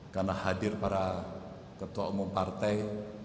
karena hadir para ketua umum partai